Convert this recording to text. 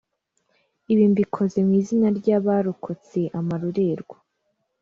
ibi mbikoze mu izina ry'abarokotse amarorerwa